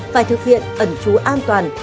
phải thực hiện ẩn trú an toàn